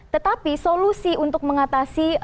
tetapi solusi untuk mengatasi